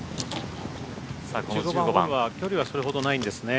１５番ホールは距離はそれほどないんですね。